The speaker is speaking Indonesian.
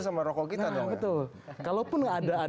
sama rokok kita nah betul kalaupun